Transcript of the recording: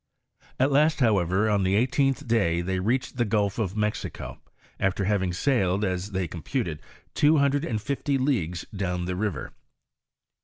At last, however, on the eighteenth day they reached the gulf of Mexico, after having sailed, as they computed, two hundred and fifty leagues down the river.